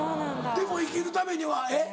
でも生きるためにはえっ？